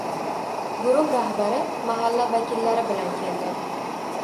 Guruh rahbari mahalla vakillari bilan keldi.